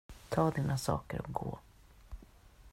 Ta dina saker och gå.